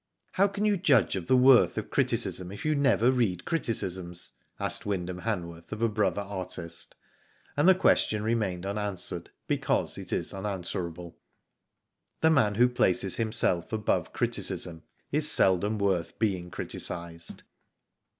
"How can you judge of the worth of criticism if you never read criticisms ?" asked Wynd ham Hanworth of a brother .artist; and the ques tion remained unanswered because it is unanswer able. The man who places himself above criticism is seldom worth being criticised.